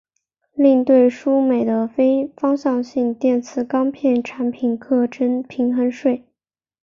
另对输美的非方向性电磁钢片产品课征平衡税。